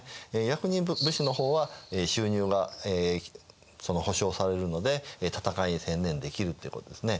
逆に武士の方は収入が保証されるので戦いに専念できるっていうことですね。